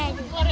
kalau lu korea